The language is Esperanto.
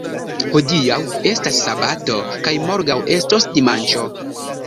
Hodiaŭ estas sabato, kaj morgaŭ estos dimanĉo.